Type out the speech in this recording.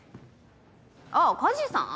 あぁ梶さん？